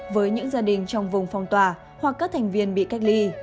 với những gia đình trong vùng phong tỏa hoặc các thành viên bị cách ly